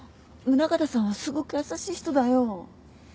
宗像さんはすごく優しい人だよ。